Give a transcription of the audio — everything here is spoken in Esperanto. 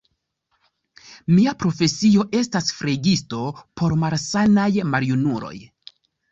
Mia profesio estas flegisto por malsanaj maljunuloj.